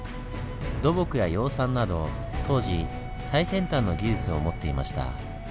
土木や養蚕など当時最先端の技術を持っていました。